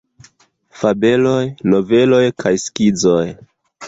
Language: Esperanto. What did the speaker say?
Fabeloj, Noveloj kaj Skizoj.